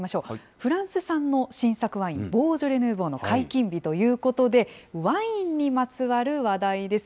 フランス産の新作ワイン、ボジョレ・ヌーボーの解禁日ということで、ワインにまつわる話題です。